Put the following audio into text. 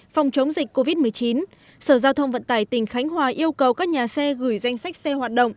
phòng chống dịch covid một mươi chín sở giao thông vận tải tỉnh khánh hòa yêu cầu các nhà xe gửi danh sách xe hoạt động